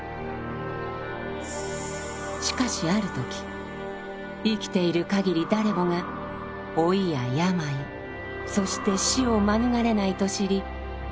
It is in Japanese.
しかしある時生きているかぎり誰もが老いや病そして死を免れないと知り苦しみを覚えます。